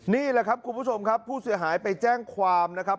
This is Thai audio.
นี่แหละครับคุณผู้ชมครับผู้เสียหายไปแจ้งความนะครับ